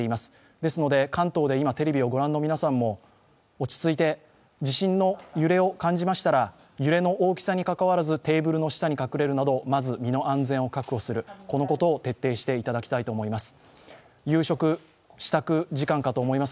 ですので、関東で今、テレビを御覧の皆さんも落ち着いて地震の揺れを感じましたら揺れの大きさにかかわらず、テーブルの下に隠れるなどまず身の安全を確保することを徹底していただきたいと思います。